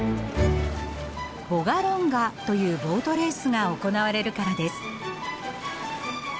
ヴォガロンガというボートレースが行われるからです。